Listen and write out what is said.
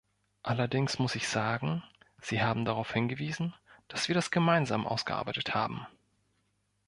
Allerdings muss ich sagen, Sie haben darauf hingewiesen, dass wir das gemeinsam ausgearbeitet haben.